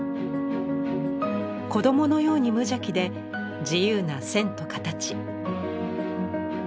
子どものように無邪気で自由な線と形。